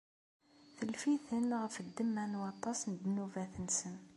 Tlef-iten ɣef ddemma n waṭas n ddnubat-nsen.